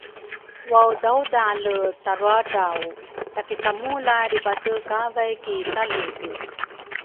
waudaudale taruadrau, ta-kisamula lribate kavay ki taludru.